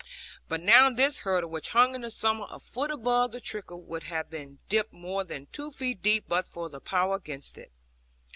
But now this hurdle, which hung in the summer a foot above the trickle, would have been dipped more than two feet deep but for the power against it.